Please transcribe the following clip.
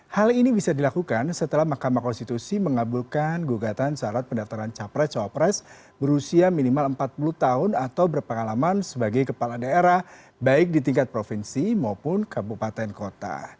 hal ini bisa dilakukan setelah mahkamah konstitusi mengabulkan gugatan syarat pendaftaran capres cawapres berusia minimal empat puluh tahun atau berpengalaman sebagai kepala daerah baik di tingkat provinsi maupun kabupaten kota